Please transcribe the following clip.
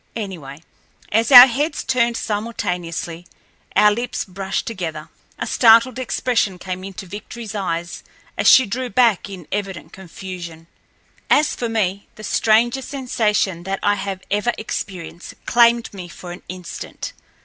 Anyway, as our heads turned simultaneously, our lips brushed together. A startled expression came into Victoryl's eyes as she drew back in evident confusion. As for me, the strangest sensation that I have ever experienced claimed me for an instant.